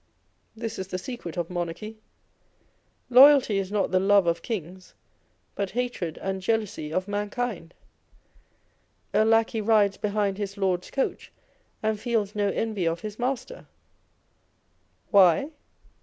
This is the secret of monarchy. â€" Loyalty is not the love of kings, but hatred and jealousy of mankind. A lacquey rides behind his lord's coach, and feels no envy of his master. Why